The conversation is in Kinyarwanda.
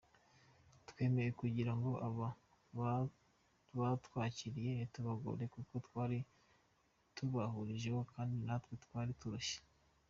''Twemeye kugira ngo aba batwakiriye ntitubagore kuko twari tubaruhishije kandi natwe twari turushe.